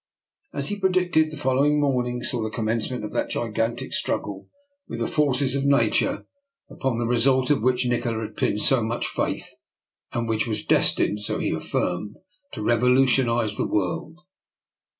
As he predicted, the following morning saw the commencement of that gigantic struggle with the forces of Nature, upon the result of which Nikola had pinned so much faith and which was destined, so he affirmed, to revolutionize the world.